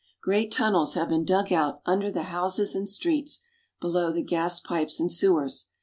Great tunnels have been dug out under the houses and streets, below the gas pipes and sewers.